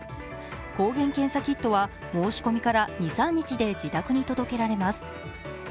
抗原検査キットは申し込みから２３日で自宅に届けられます。